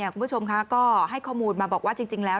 คุณผู้ชมค่ะก็ให้ข้อมูลมาบอกว่าจริงแล้ว